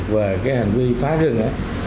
về hành vi phá rừng